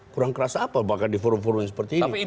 kurang keras apa bahkan di forum forum seperti ini